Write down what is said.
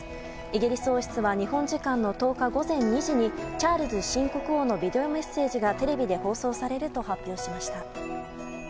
イギリス王室は日本時間の１０日午前２時にチャールズ新国王のビデオメッセージがテレビで放送されると発表しました。